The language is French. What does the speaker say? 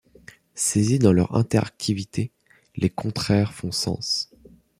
Saisis dans leur interactivité les contraires font sens.